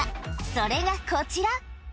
それがこちら。